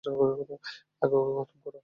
আগে ওকে খতম কর।